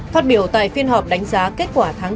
phát biểu tại phiên họp đánh giá kết quả tháng bốn